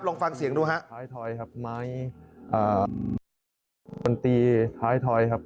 ลองฟังเสียงดูฮะท้ายถอยครับไม้อ่ามันตีท้ายถอยครับ